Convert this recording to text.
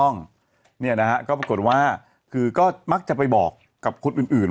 เนี่ยนะฮะก็แปลกว่าก็มักจะไปบอกมากับคนอื่น